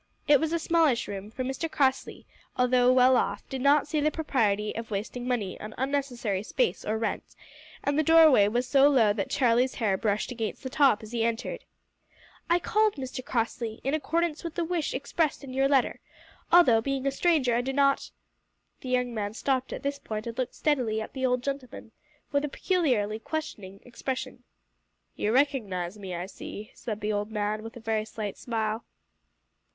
It was a smallish room, for Mr Crossley, although well off, did not see the propriety of wasting money on unnecessary space or rent, and the doorway was so low that Charlie's hair brushed against the top as he entered. "I called, Mr Crossley, in accordance with the wish expressed in your letter. Although, being a stranger, I do not " The young man stopped at this point and looked steadily at the old gentleman with a peculiarly questioning expression. "You recognise me, I see," said the old man, with a very slight smile.